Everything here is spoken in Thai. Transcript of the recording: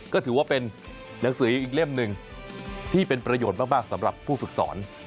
ก็ถือว่าเป็นหนังสืออีกเล่มหนึ่งที่เป็นประโยชน์มากสำหรับผู้ฝึกสอน